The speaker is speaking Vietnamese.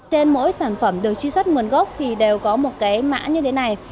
trên mỗi sản phẩm được truy xuất nguồn gốc thì đều có một cái mã như thế này